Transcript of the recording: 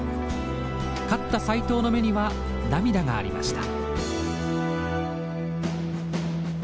勝った斎藤の目には涙がありました。